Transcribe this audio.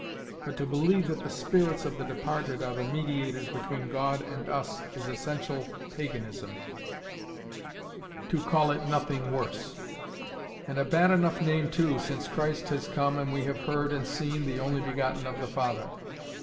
But to believe that the spirits of the departed are the mediators between God and us is essential paganism—to call it nothing worse; and a bad enough name too since Christ has come and we have heard and seen the only begotten of the Father.